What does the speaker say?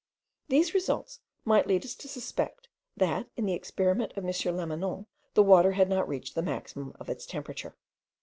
These results might lead us to suspect, that, in the experiment of M. Lamanon, the water had not reached the maximum of its temperature.